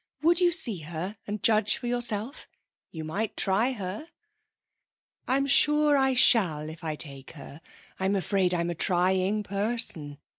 Would you see her and judge for yourself? You might try her.' 'I'm sure I shall if I take her. I'm afraid I'm a trying person.